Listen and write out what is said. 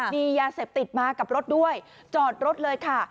มียาเสพติดมากับรถด้วยจอดรถเลยค่ะ